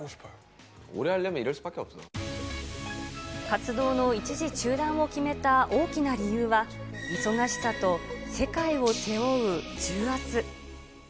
活動の一時中断を決めた大きな理由は、忙しさと世界を背負う重圧。